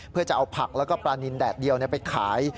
เพื่อจะเอาผักแล้วก็ปลานินแดดเดียวไปขาย